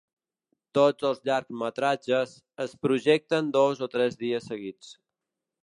Tots els llargmetratges es projecten dos o tres dies seguits.